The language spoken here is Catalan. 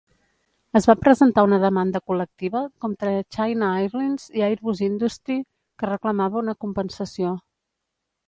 Es va presentar una demanda col·lectiva contra China Airlines i Airbus Industrie que reclamava una compensació.